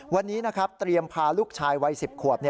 วันนี้นะครับเตรียมพาลูกชายวัย๑๐ขวบ